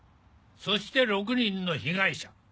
そして６人の被害者。